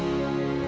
sampai jumpa lagi